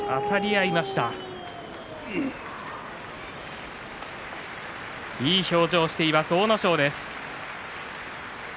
いい表情をしています阿武咲です。